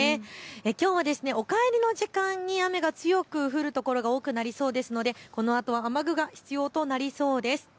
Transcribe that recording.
きょうはお帰りの時間に雨が強く降る所が多くなりそうですのでこのあとは雨具が必要となりそうです。